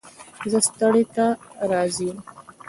ـ زه ستړى ته ناراضي.